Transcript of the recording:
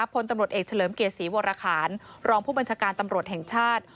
พลตำรวจเอกเฉลิมเกียรติศรีวรคารรองผู้บัญชาการตำรวจแห่งชาติ